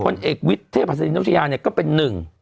คนเอกวิดเทภัสดินนะอยุโฑฑชื่อยังเนี่ยก็เป็นหนึ่ง